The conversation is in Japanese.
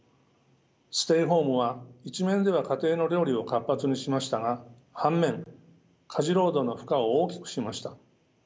ステイホームは一面では家庭の料理を活発にしましたが反面家事労働の負荷を大きくしました。